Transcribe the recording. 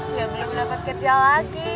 ya belum dapat kerja lagi